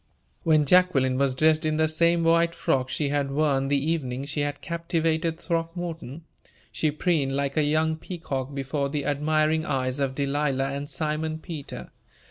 When Jacqueline was dressed in the same white frock she had worn the evening she had captivated Throckmorton, she preened like a young peacock before the admiring eyes of Delilah and Simon Peter.